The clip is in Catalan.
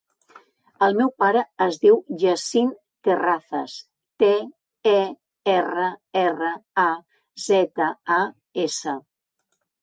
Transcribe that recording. El meu pare es diu Yassine Terrazas: te, e, erra, erra, a, zeta, a, essa.